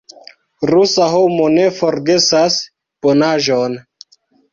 Rusa homo ne forgesas bonaĵon.